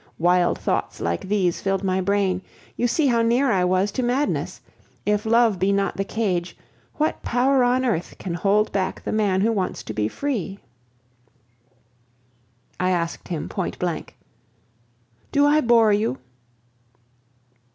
Wild thoughts like these filled my brain; you see how near I was to madness! If love be not the cage, what power on earth can hold back the man who wants to be free? I asked him point blank, "Do I bore you?"